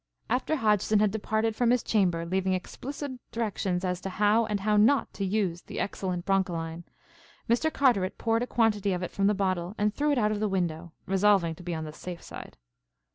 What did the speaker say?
After Hodgson had departed from his chamber leaving explicit directions as to how and how not to use the excellent Broncholine, Mr. Carteret poured a quantity of it from the bottle and threw it out of the window resolving to be on the safe side.